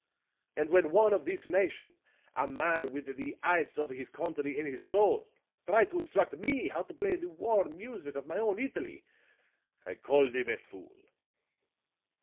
And when one of this nation a man with the ice of his country in his soul tried to instruct me how to play the warm music of my own Italy, I called him a fool!"